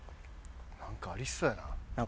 なんかありそうやな。